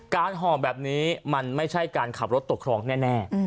ห่อแบบนี้มันไม่ใช่การขับรถตกครองแน่